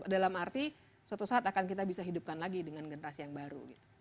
dalam arti suatu saat akan kita bisa hidupkan lagi dengan generasi yang baru gitu